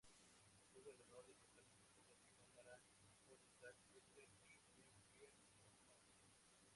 Tuvo el honor de tocar música de cámara con Isaac Stern y Jean-Pierre Rampal.